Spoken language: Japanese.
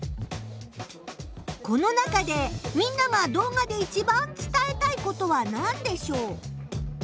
この中でみんなが動画でいちばん伝えたいことはなんでしょう？